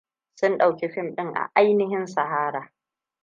Sun dauki fim din a ainihin sahara.